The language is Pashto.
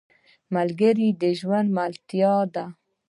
ملګری د ژوند ملتیا ده